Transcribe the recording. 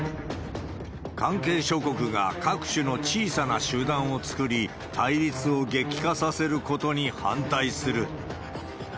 関係諸国が各種の小さな集団を作り、対立を激化させることに反対する。